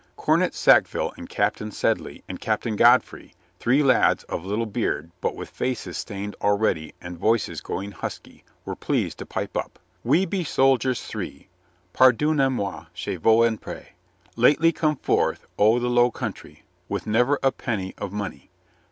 Cor net Sackville and Captain Sedley and Captain God frey, three lads of little beard but with faces stained already and voices going husky, were pleased to pipe up : We be soldiers three — Pardona moy, je vous an prie Lately come forth o' tlie low country With never a penny of money.